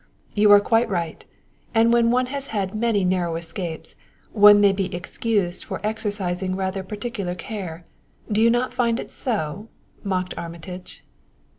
"You are quite right. And when one has had many narrow escapes, one may be excused for exercising rather particular care. Do you not find it so?" mocked Armitage.